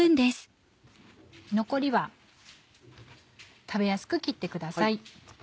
残りは食べやすく切ってください。